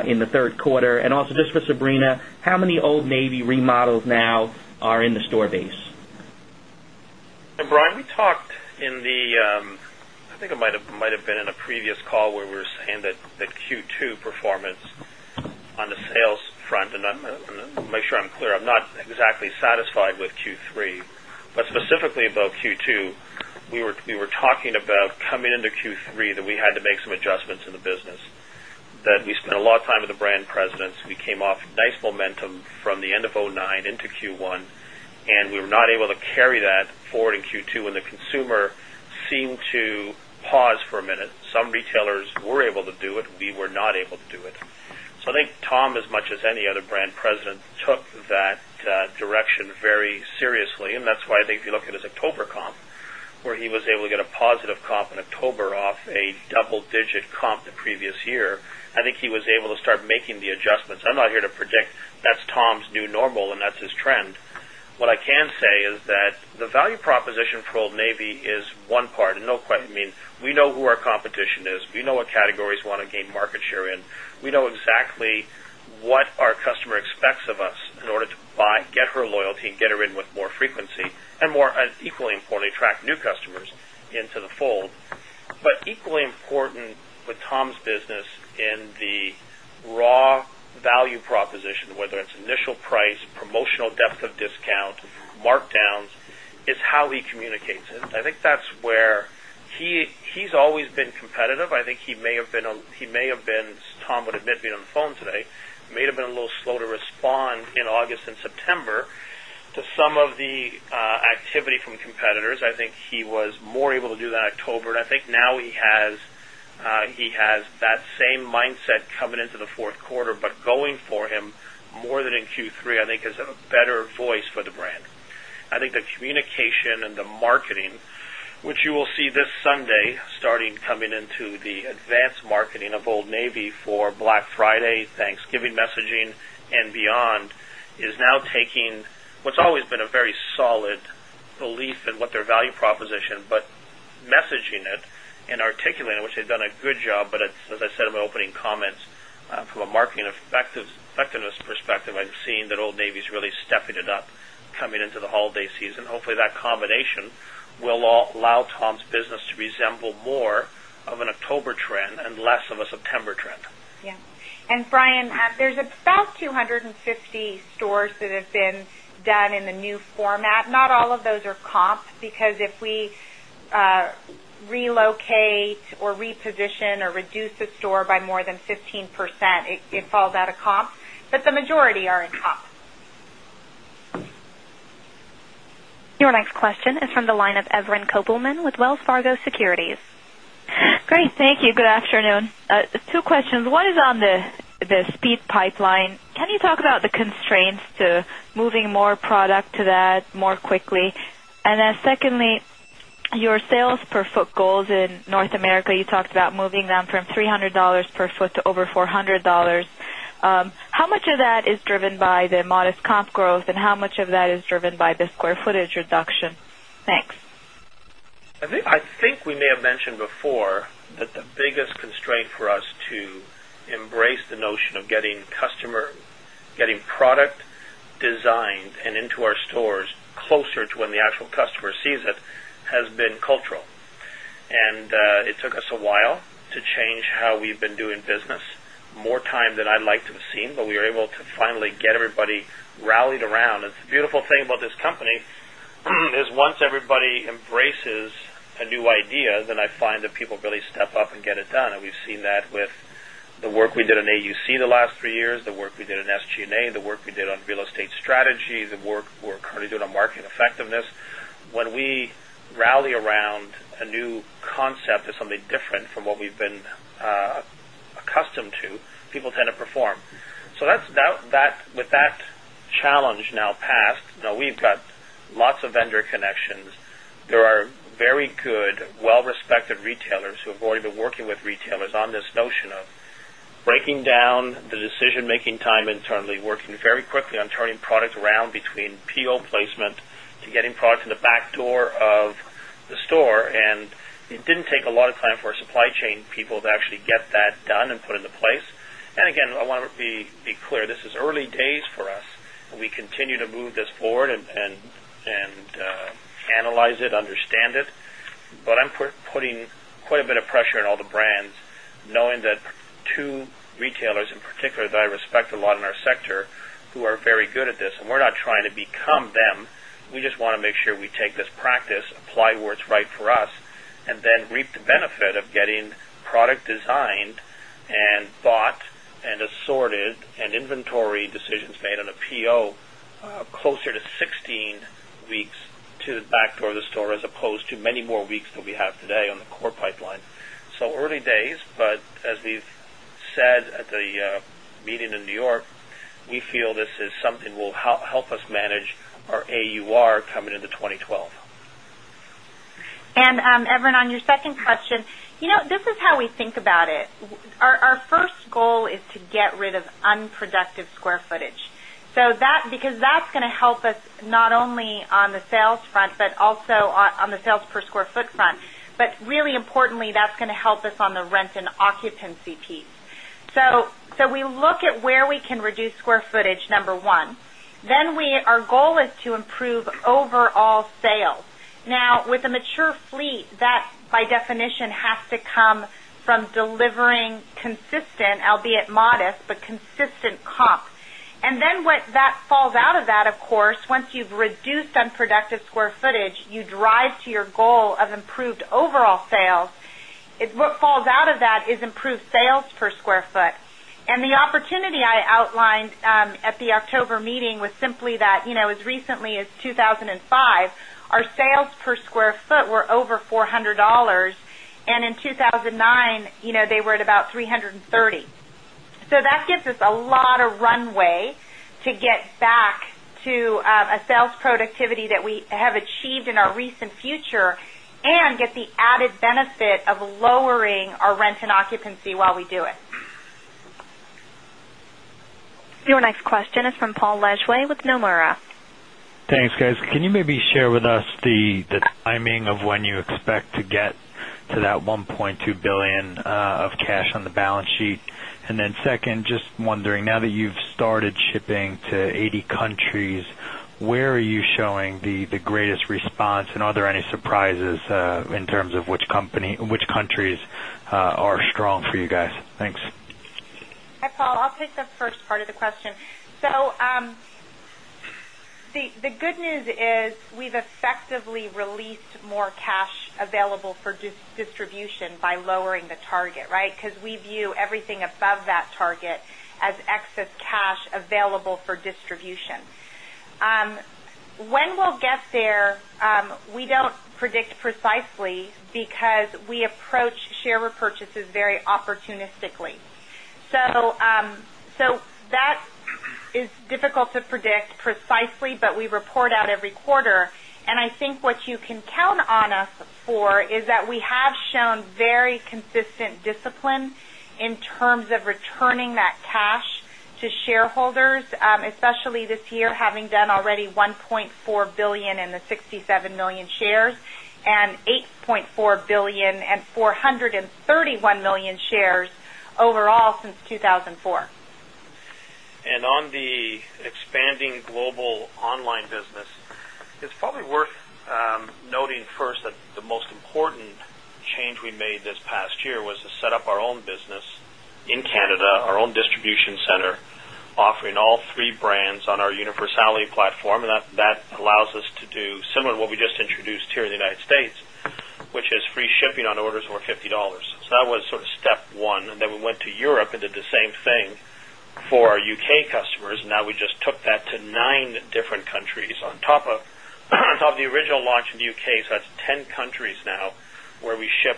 in the Q3? And also just for Sabrina, how many Old Navy remodels now are in the store base? And Brian, we talked in the I think it might have been in a previous call where we were saying that Q2 performance on the sales front and I'm going to make sure I'm clear, I'm not exactly satisfied with Q3. But specifically about Q2, we were talking about coming into Q3 that we had to make some adjustments in the business that we spent a lot time with the brand presidents. We came off nice momentum from the end of 'nine into Q1 and we were not able to carry that forward in Q2 and the consumer seemed to pause for a minute. Some retailers were able to do it. We were not able to do it. So I think Tom as much as any other brand president took that direction very seriously. And that's why I think if you look at his October comp, where he was able to get a positive comp in October off a double digit comp the previous year, I think he was able to start making the adjustments. I'm not here to predict that's Tom's new normal and that's his trend. What I can say is that the value proposition for Old Navy is one part and no quite I mean, we know who our competition is. We know what categories want to gain market share in. We know exactly what our customer expects of us in order to buy, get her loyalty and get her in with more frequency and more equally importantly attract new customers into the fold. But equal important with Tom's business in the raw value proposition, whether it's initial price, promotional depth of discount, markdowns is how he communicates. I think that's where he has always been competitive. I think he may have been Tom would admit me on the phone today, may have been a little slow to respond in August September to some of the activity from competitors. I think he was more able to do that October. And I think now he has that same mindset coming into the Q4, but going for him more than in Q3, I think is a better voice for the brand. I think the communication and the marketing, which you will see this Sunday starting coming into the advanced marketing of Old Navy for Black Friday, Thanksgiving messaging and beyond is now taking what's always been a very solid belief in what their value proposition, but messaging it and articulating it, which they've done a good job. But as I said in my opening comments, from a marketing effectiveness perspective, I've seen Old Navy is really stepping it up coming into the holiday season. Hopefully that combination will allow Tom's business to resemble more of an October trend and less of a September trend. Brian, there's about 2 50 stores that have been done in the new format. Not all of those are comps, because if we relocate or reposition or reduce the store by more than 15 percent, it falls out of comp, but the majority are in comp. Your next question is from the line of Evelyn Kopelman with Wells Fargo Securities. Great. Thank you. Good afternoon. Two questions. One is on the speed pipeline. Can you talk about the constraints to moving more product to that more quickly? And then secondly, your sales per foot goals in North America, you talked about moving them from 300 dollars per foot to over $400 How much of that is driven by the modest comp growth and how much of that is driven by the square footage reduction? Thanks. I think we may have mentioned before that the biggest constraint for us to embrace the notion of getting customer, getting product designed and into our stores closer to when the actual customer sees it has been cultural. And it took us a while to change how we've been doing business more time than I'd like to have seen, but we were able to finally get everybody rallied around. It's the beautiful thing about this company is once everybody embraces a new idea, then I find that people really up and get it done. And we've seen that with the work we did in AUC the last 3 years, the work we did in SG and A, the work we did on real estate strategy, the work we're currently doing on marketing effectiveness. When we rally around a new concept or something different from what we've been around a new concept or something different from what we've been accustomed to, people tend to perform. So that's that with that challenge now passed, we've got lots of vendor connections. There are very good, well respected retailers who have already been working with retailers on this notion of breaking down the decision making time internally, working very quickly on turning products around between PO placement to getting products in the back door of the store and it didn't take a lot of time for supply chain people to actually get that done and put into place. And again, I want to be clear, this is early days for us and we continue to move this forward and analyze it, understand it. But I'm putting quite a bit of pressure on all the brands, knowing that 2 retailers in particular that I respect a lot in our sector who are very good at this and we're not trying to become them. We just want to make sure we take this practice, apply where it's right for us and then reap the benefit of getting product designed and bought and assorted and inventory decisions made on a PO closer to 16 weeks to the back door of the store as opposed to many more weeks that we have today on to the back door of the store as opposed to many more weeks than we have today on the core pipeline. So early days, but as we've said at the meeting in New York, we feel this is something will help us manage our AUR coming into 2012. And, Evan, on your second question, this is how we think about it. Our first goal is to get rid of unproductive square footage. So that because that's going to help us not only on the sales front, but also on the sales per square foot front. But really importantly, that's going to help us on the rent and occupancy piece. So we look at where we can reduce square footage, number 1. Then we our goal is to improve overall sales. Now with a mature fleet that by definition has to come from delivering consistent, albeit modest, but consistent comp. And then what that falls out of that, of course, once you've reduced unproductive square footage, you drive to your goal of improved overall sales. What falls out of that is improved sales per square foot. And the opportunity I outlined at the October meeting was simply that as recently as 2,005, our sales per square foot were over $400 and in 2,009, they were at about $330. So that do it. Your next question is from Paul Lejuez with Nomura. Thanks guys. Can you maybe share with us the timing of when you expect to get to that 1,200,000,000 of cash on the balance sheet? And then second, just wondering now that you've started shipping to 80 countries, where are you showing the greatest response? And are there any surprises in terms of which company which countries are strong for you guys? Thanks. Hi, Paul. I'll take the first part of the question. So the good news is we've effectively released more cash available for distribution by lowering the target, right, because we view everything above that. We don't predict precisely because we approach share repurchases very opportunistically. So that is difficult to predict precisely, but we report out every quarter. And I think what you can count on us for is that we have shown very consistent discipline in terms of returning that cash to shareholders, especially this year having done already $1,400,000,000 in the 67,000,000 shares and 8 400,000,000 shares overall since 2004. And on the expanding global online business, it's probably worth noting first that the most important change we made this past year was to set up our own business in Canada, our own distribution center, offering all three brands on our universality platform and that allows us to do similar to what we just introduced here in the United States, which is free shipping on orders over $50 So that was sort of step 1. And then we went to Europe and did the same thing for our U. K. Customers. Now we just took that to 9 different countries on top of the original launch in UK, so that's 10 countries now where we ship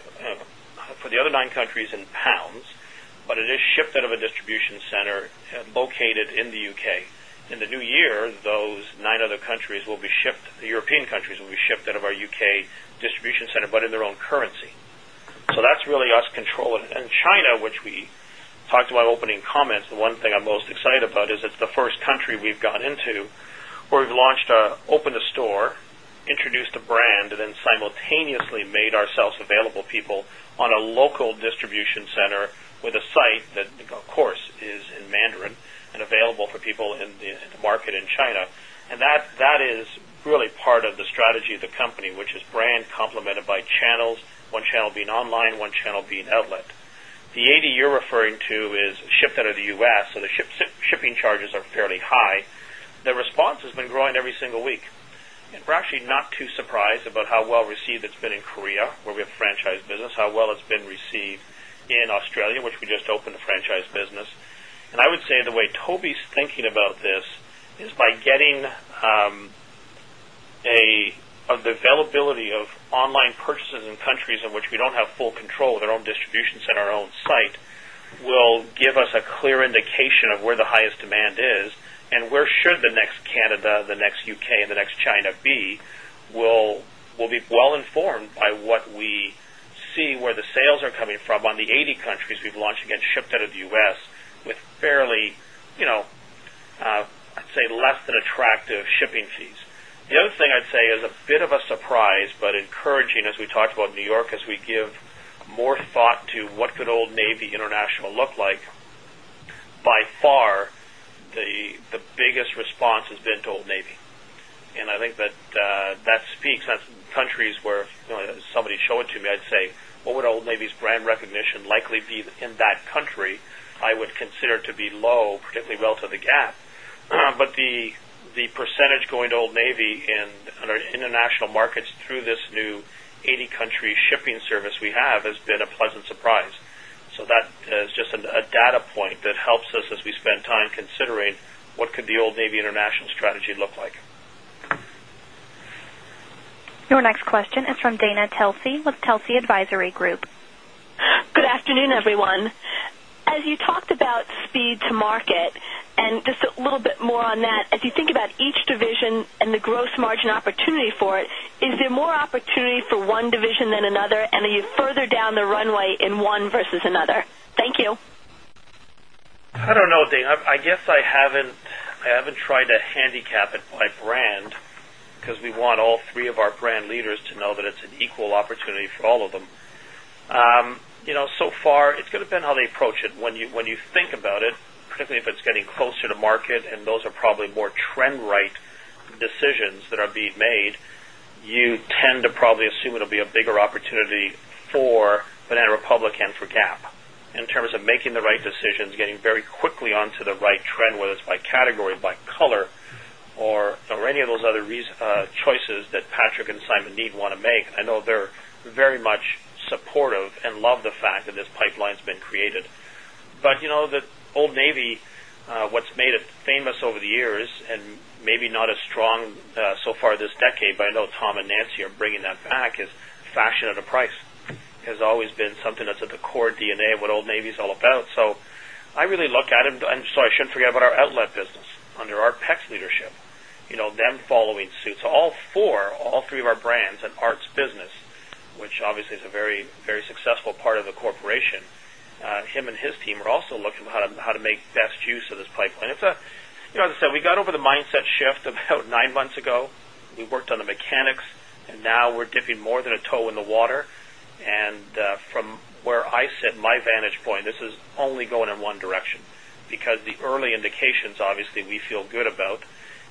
for the other 9 countries in pounds, but it is shipped out of a distribution center located in the UK. In the New Year, those 9 other countries will be shipped European countries will be shipped out of our U. K. Distribution center, but in their own currency. So that's really us controlling. And China, which we talked about opening comments, the one thing I'm most excited about is it's the 1st country we've gone into where we've opened a store, introduced a brand and then simultaneously made ourselves available people on a local distribution center with a site that of course is in Mandarin and available for people in the market in China. And that is really part of the strategy of the company, which is brand complemented by channels, 1 channel being online, 1 channel being outlet. The 80 you're referring to is shipped out of the U. S. So the shipping charges are fairly high. The response has been growing every single week. And we're actually not too surprised about how well received it's been in Korea where we have franchise business, how well it's been received in Australia, which we just opened the franchise business. And I would say the way Tobey is thinking about this is by getting the availability of online purchases in countries in which we don't have full control of our own distribution center, our own site will give us a clear indication of where the highest demand is and where should the next Canada, the next UK, and the next China be, we'll be well informed by what we see where the sales are coming from on the 80 countries we've launched and shipped out of the U. S. With fairly, I'd say, less than attractive shipping fees. The other thing I'd say is a bit of a surprise, but attractive shipping fees. The other thing I'd say is a bit of a surprise, but encouraging as we talked about New York as we give more thought to what could Old Navy International look like. By far, the response has been to Old Navy. And I think that speaks on countries where somebody showed to me, I'd say, what would Old Navy's brand recognition likely be in that country, I would consider to be low, particularly relative to the gap. But the percentage going to Old Navy in international markets through this new 80 country shipping service we have has been a pleasant surprise. So that is just a data point helps us as we spend time considering what could the Old Navy International strategy look like. Your next question is from Dana Telsey with Telsey Advisory Group. Good afternoon, everyone. As you talked about runway in 1 versus another? Thank I don't know, Dane. I guess I haven't tried to handicap it by brand because we want all three of our brand leaders to know that it's an equal opportunity for all of them. So far, it's going to be how they approach it when you think about it, particularly if it's getting closer to market and those are probably more trend right decisions that are being made, you tend to probably assume it will be a bigger opportunity for Banana Republic and for Gap in terms of making the right decisions, getting very quickly onto the right trend, whether it's by category, by color or any of those other choices that Patrick and Simon Need want to make. I know they're very much supportive and love the fact that this pipeline has been created. But you know that Old Navy, what's made it famous over the years and maybe not as strong so far this decade, but I know Tom and Nancy are bringing that back is fashion at a price has always been something that's at the core DNA of what Old Navy is all about. So I really look at them and so I shouldn't forget about our outlet business under our PEC's leadership, them following suits. All 4, all 3 of our brands and arts business, which obviously is a very, very successful part of the corporation, him and his team are also looking how to make best use of this pipeline. It's a as I said, we got over the mindset shift about 9 months ago. We worked on the mechanics and now we're dipping more than a toe in the water. And from where I sit my vantage point, this is only going in one direction because the early indications obviously we feel good about.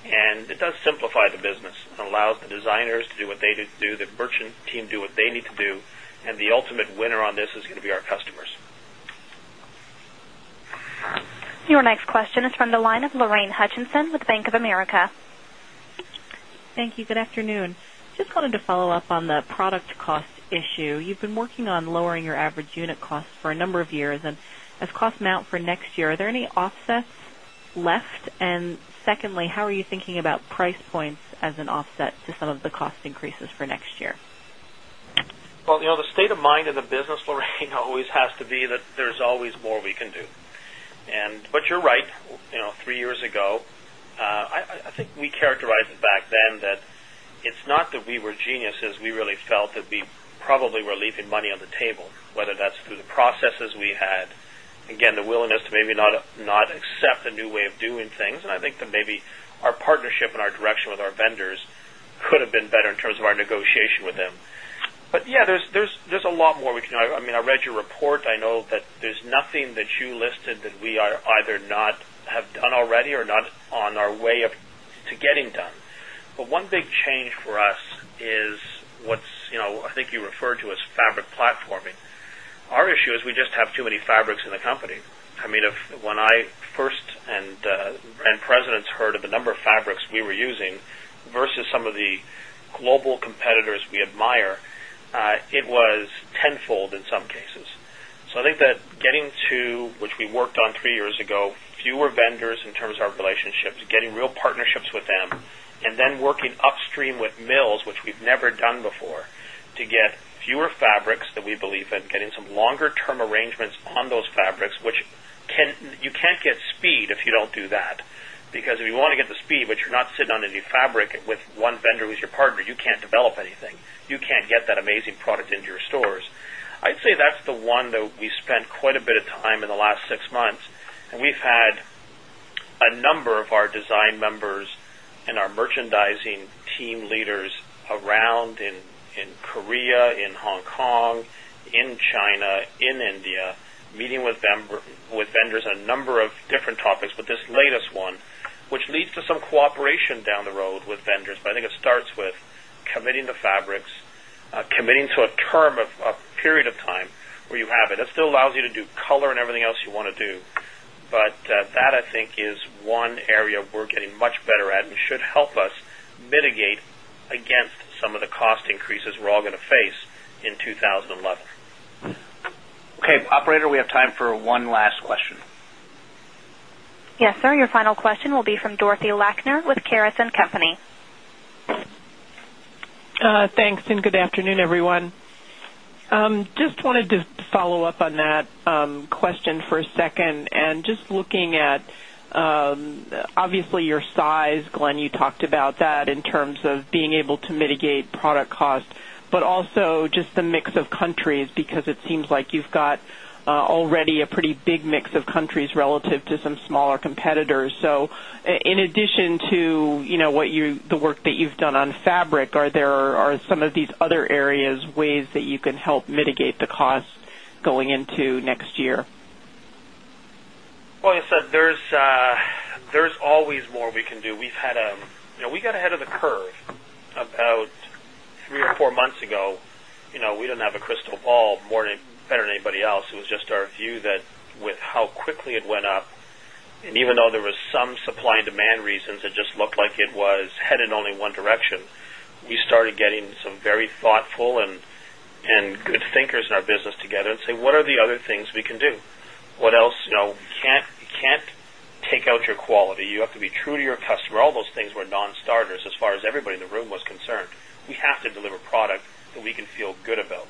It does simplify the business and allows the designers to do what they do, the merchant team do what they need to do and the ultimate winner on this is going to be our customers. Your next question is from the line of Lorraine Hutchinson with Bank of America. Thank you. Good afternoon. Just wanted to follow-up on the product cost issue. You've been working on lowering your average unit costs for a number of years. And as costs mount for next year, are there any offsets left? And secondly, how are you thinking about price points as an offset to some of the cost increases for next year? Well, the state of mind in the business, Lorraine, always has to be that there's always more we can do. And but you're right, 3 years ago, I think we characterized it back then that it's not that we were geniuses, we really felt that we probably were leaving money on the table, whether that's through the processes we had. Again, willingness to maybe not accept a new way of doing things. And I think that maybe our partnership and our direction with our vendors could have been better in terms of our negotiation with them. But yes, there's a lot more we can I mean, I read your report? I know that there's nothing that you listed that we are either not have done already or not on our way of getting done. But one big change for us is what's I think you referred to as fabric platforming. Our issue is we just have too many fabrics in the company. I mean, when I first and presidents heard of the number of fabrics we were using versus some of the global competitors we admire, it was tenfold in some cases. So I think getting to which we worked on 3 years ago, fewer vendors in terms of relationships, getting real partnerships with them and then working upstream with mills, which we've never done before to get fewer fabrics that we believe in, getting some longer term arrangements on those fabrics, which you can't get speed if you don't do that. Because if you want to get the speed, but you're not sitting on any fabric with 1 vendor who is your partner, you can't develop anything. You can't get that amazing product into your stores. I'd say that's the one that we spent quite a bit of time in the last 6 months and we've had a number of our design members and our merchandising team leaders around in Korea, in Hong Kong, in China, in India, meeting with vendors on a number of different topics, but this latest one, which leads to some cooperation down the road with vendors. But I think it starts with committing the fabrics, committing to a term of a period of time where you have it, it still allows you to do color and everything else you want to do. But that I think is one area we're getting much better at and should help us mitigate against some of the cost increases we're all going to face in 2011. Okay. Operator, we have time for one last question. Yes, sir. Your final question will be from Dorothy Lachner with Carrot and Company. Thanks and good afternoon everyone. Just wanted to follow-up on that question for a second. And just looking at obviously your size, Glenn, you talked about that in terms of being able to mitigate product cost, but also just the mix of countries because it seems like you've got already a pretty big mix of countries relative to some smaller competitors. So in addition to what you the work that you've done on fabric, are there are some of these other areas ways that you can help mitigate the costs going into next year? Well, I said, is always more we can do. We've had we got ahead of the curve about 3 or 4 months ago. We don't have a crystal ball more than better than anybody else. It was just our view that with how quickly it went up and even though there was some supply and demand reasons, it just looked like it was headed only one direction. We started getting some very thoughtful and good thinkers in our business together and say, what are the other things we can do? What else can't take out your quality, you have to be true to your customer, all those things were non starters as far as everybody in the room was concerned. We have to deliver product that we can feel good about.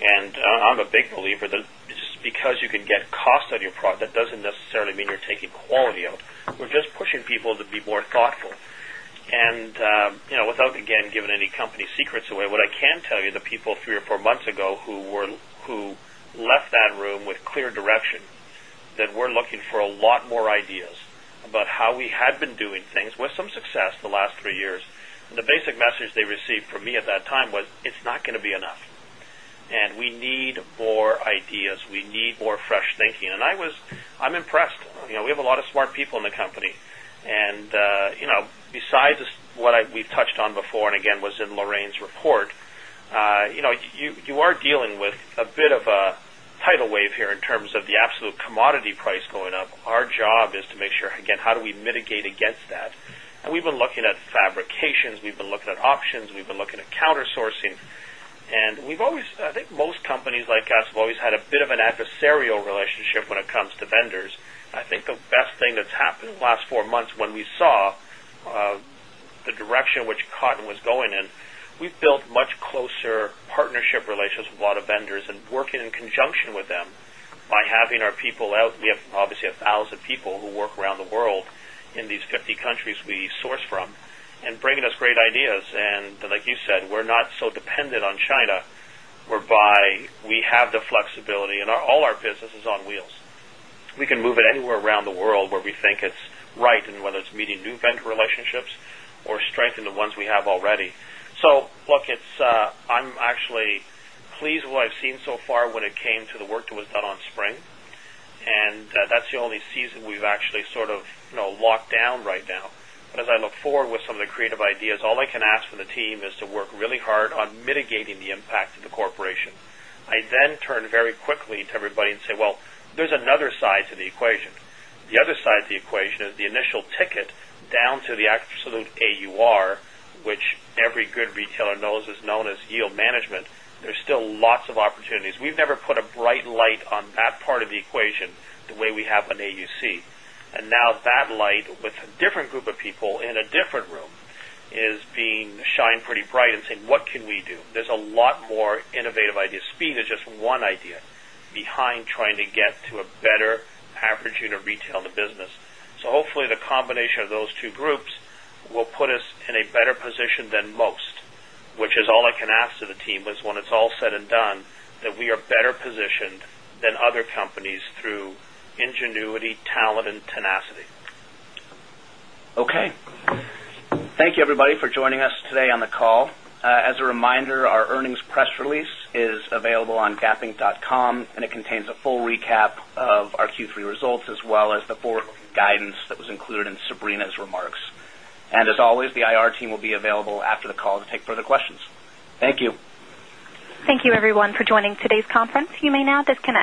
And I'm a believer that it's because you can get cost on your product, that doesn't necessarily mean you're taking quality out. We're just pushing people to be more thoughtful. And without again giving any company secrets away, what I can tell you the people 3 or 4 months ago who were who left that room with clear direction that we're looking for a lot more ideas about how we had been doing things with some success the last 3 years. And the basic message they received from me at that time was, it's not going to be enough. And we need more ideas. We need more fresh thinking. And I was I'm impressed. We have a lot of smart people in the company. And besides what we've touched on before and again was in Lorraine's report, you are dealing with a bit of a tidal wave here in terms of the absolute commodity price going up. Our job is to make sure, again, how do we mitigate against that. And we've been looking at fabrications, we've been looking at options, we've been looking at counter sourcing. And we've always I think most companies like us have always had a bit of an adversarial relationship when it comes to vendors. I think the best thing that's happened in the last 4 months when we saw the direction which Cotton was going in, we've built much closer partnership relations with a lot of vendors and working in conjunction with them by having our people out. We have obviously a 1,000 people who work around the world in these 50 countries we source from and bring us great ideas. And like you said, we're not so dependent on China whereby we have the flexibility and all our business is on wheels. We can move it anywhere around the world where we think it's right and whether it's meeting new vendor relationships or strengthen the ones we have already. So look, it's I'm actually pleased what I've seen so far when it came to the work that was done on spring. And that's the only season we've actually sort of locked down right now. As I look forward with some of the creative ideas, all I can ask from the team is to work really hard on mitigating the impact of the corporation. I then turn very quickly to everybody and say, well, there's another side to the equation. The other side of the equation is the initial ticket down to the absolute AUR, which every good retailer knows is known as yield management. There's still lots of opportunities. We've never put a bright light on that part of the equation the way we have on AUC. And now that light with a different group of people in a different room is being shined pretty bright and saying, what can we do? There is a lot more innovative ideas. Speed is just one idea behind trying to get to a better average unit retail in the business. So hopefully the combination of those two groups will put us in a better position than most, which is all I can ask to the team is when it's all said and done that we are better positioned than other companies through ingenuity, talent and tenacity. Tenacity. Okay. Thank you everybody for joining us today on the call. As a reminder, our earnings press release is available on gapinc.com and it contains a full recap of our Q3 results as well as the forward guidance that was included in Sabrina's remarks. And as always, the IR team will be available after the call to take further questions. Thank you. Thank you everyone for joining today's conference. You may now disconnect.